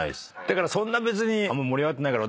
だからそんな別にあんま。